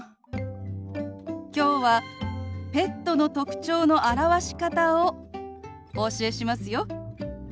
きょうはペットの特徴の表し方をお教えしますよ。